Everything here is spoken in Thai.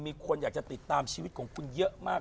มีคนอยากจะติดตามชีวิตของคุณเยอะมาก